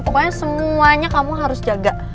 pokoknya semuanya kamu harus jaga